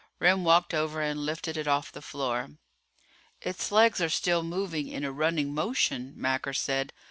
Remm walked over and lifted it off the floor. "Its legs are still moving in a running motion," Macker said.